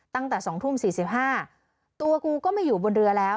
ตั้งแต่๒ทุ่ม๔๕ตัวกูก็ไม่อยู่บนเรือแล้ว